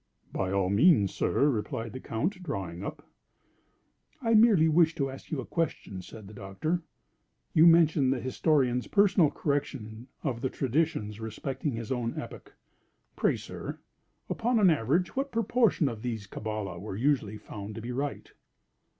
"By all means, sir," replied the Count, drawing up. "I merely wished to ask you a question," said the Doctor. "You mentioned the historian's personal correction of traditions respecting his own epoch. Pray, sir, upon an average what proportion of these Kabbala were usually found to be right?"